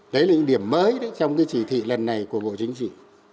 đấy là những điểm mới trong cái chỉ thị lần này của bộ chính trị